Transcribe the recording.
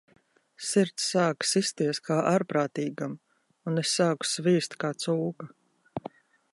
Sirds sāka sisties kā ārprātīgam, un es sāku svīst kā cūka.